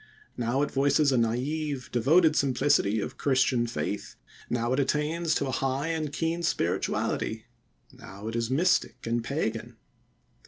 Now it voices a naïve, devoted simplicity of Christian faith; now it attains to a high and keen spirituality; now it is mystic and pagan.